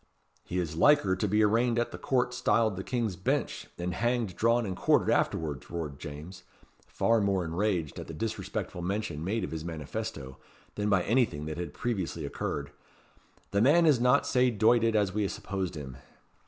"He is liker to be arraigned at our court styled the King's Bench, and hanged, drawn, and quartered afterwards," roared James, far more enraged at the disrespectful mention made of his manifesto, than by anything that had previously occurred. "The man is not sae doited as we supposed him."